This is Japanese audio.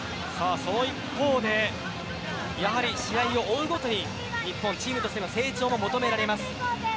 一方で試合を追うごとに日本はチームとして成長が求められます。